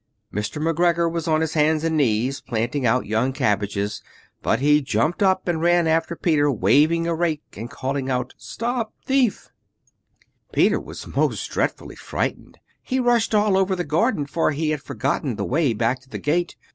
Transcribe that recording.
Mr. McGregor was on his hands and knees planting out young cabbages, but he jumped up and ran after Peter, waving a rake and calling out, 'Stop thief!' Peter was most dreadfully frightened; he rushed all over the garden, for he had forgotten the way back to the gate.